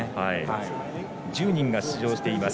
１０人が出場しています